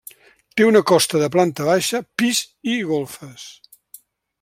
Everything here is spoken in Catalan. Té una costa de planta baixa, pis i golfes.